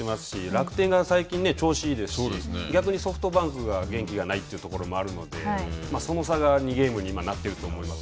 楽天が最近、調子がいいですし、逆にソフトバンクが元気がないというところもあるので、その差が２ゲームに今なっていると思います。